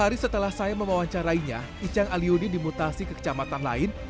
dua hari setelah saya mewawancarainya icang aliudin dimutasi ke kecamatan lain